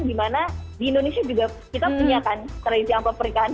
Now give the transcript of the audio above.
dimana di indonesia juga kita punya kan tradisi amplop pernikahan